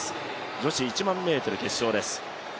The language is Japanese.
女子１００００ｍ決勝です。